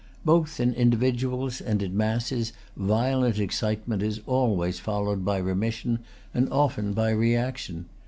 Both in individuals and in masses violent excitement is always followed by remission, and often by reaction.